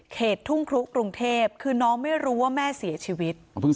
ทุ่งครุกรุงเทพคือน้องไม่รู้ว่าแม่เสียชีวิต